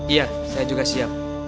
iya saya juga siap